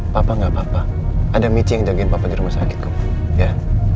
papa gak apa apa ada michi yang jagain papa di rumah sakit kamu ya